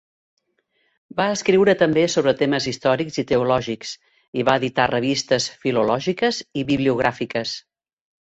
Va escriure també sobre temes històrics i teològics i va editar revistes filològiques i bibliogràfiques.